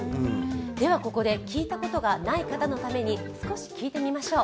ここで聞いたことがない方のために少し聞いてみましょう。